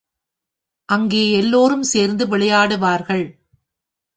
அங்கே எல்லோரும் சேர்ந்து விளையாடுவார்கள்.